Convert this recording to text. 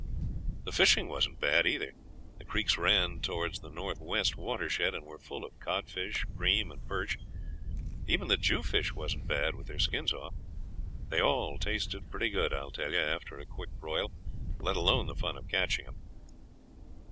The fishing wasn't bad either. The creeks ran towards the north west watershed and were full of codfish, bream, and perch. Even the jewfish wasn't bad with their skins off. They all tasted pretty good, I tell you, after a quick broil, let alone the fun of catching them.